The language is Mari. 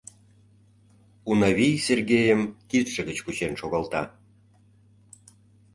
— Унавий Сергейым кидше гыч кучен шогалта.